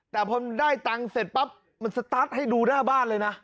แต่พอได้ตังค์เสร็จปั๊บมันสตาร์ทให้ดูหน้าบ้านเลยนะ